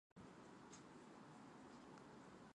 スコティッシュフォールド